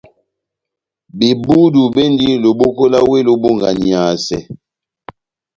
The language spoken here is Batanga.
Bebudu bendi loboko lá wéh lobonganiyasɛ.